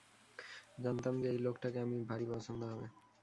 জানতাম যে এই লোকটাকে আমার ভারি পছন্দ হবে!